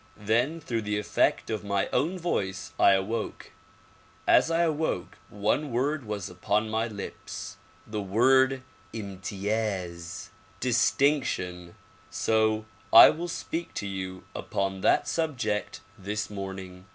Then through the effect of my own voice I awoke. As I awoke, one word was upon my lips, — the word "Imtiyaz" (Distinction). So I will speak to you upon that sub ject this morning.